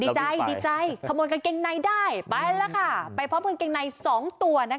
ดีใจดีใจขโมยกางเกงในได้ไปแล้วค่ะไปพร้อมกางเกงในสองตัวนะคะ